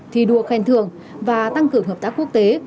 thi đua khen thường và tăng cường hợp tác quốc tế